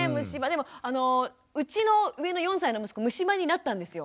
でもうちの上の４歳の息子虫歯になったんですよ。